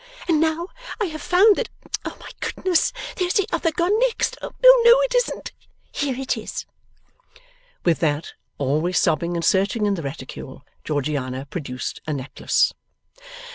And now I have found that oh, my goodness! there's the other gone next! Oh no, it isn't, here it is!' With that, always sobbing and searching in the reticule, Georgiana produced a necklace.